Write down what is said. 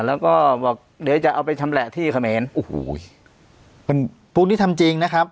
แล้วก็บอกเดี๋ยวจะเอาไปชำแหละที่เขมรโอ้โหมันพวกนี้ทำจริงนะครับ